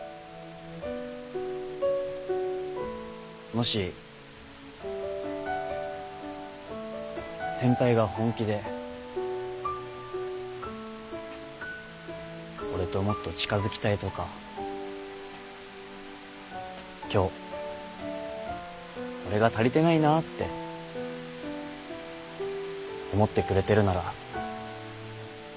もし先輩が本気で俺ともっと近づきたいとか今日俺が足りてないなって思ってくれてるなら。